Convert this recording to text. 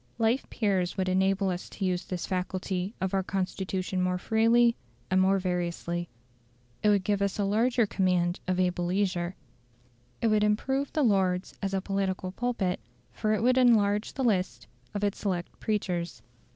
Life peers would enable us to use this faculty of our Constitution more freely and more variously. It would give us a larger command of able leisure; it would improve the Lords as a political pulpit, for it would enlarge the list of its select preachers.